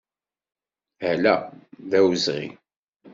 Ala d awezɣi!